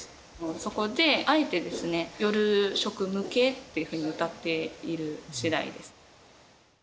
そこであえてですね、夜職向けっていうふうにうたっているしだいです。